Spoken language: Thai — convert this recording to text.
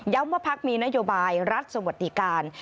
ย้อมว่าภักดิ์มีนโยบายรัฐสวัสดิการ